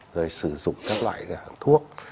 rồi sử dụng các loại thuốc